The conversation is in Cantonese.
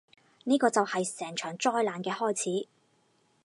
呢個就係成場災難嘅開始